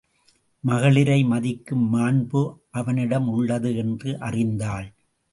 மகளிரை மதிக்கும் மாண்பு அவனிடம் உள்ளது என்று அறிந்தாள்.